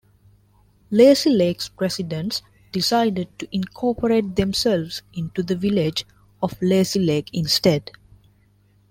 Lazy Lake's residents decided to incorporate themselves into the Village of Lazy Lake instead.